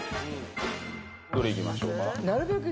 どれいきましょうか？